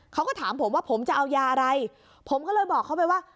เขาก็ถามผมว่าผมจะเอายาอะไรผมก็เลยบอกเขาไปว่า